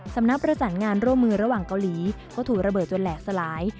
สำนักประสานงานร่วมมือระหว่างเกาหลีก็ถูกระเบิดจนแหลกสลาย